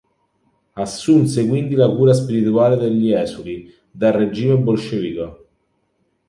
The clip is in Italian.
Assunse quindi la cura spirituale degli esuli dal regime bolscevico.